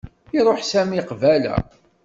Iṛuḥ Sami qbala.